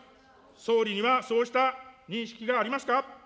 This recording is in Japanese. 総理にはそうした認識がありますか。